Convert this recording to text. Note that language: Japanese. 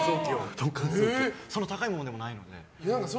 そんなに高いものでもないので。